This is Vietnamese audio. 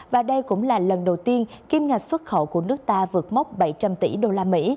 và đây cũng là lần đầu tiên kim ngạch xuất khẩu của nước ta vượt mốc bảy trăm linh tỷ usd